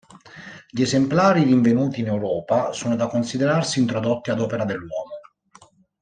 Gli esemplari rinvenuti in Europa sono da considerarsi introdotti ad opera dell'uomo.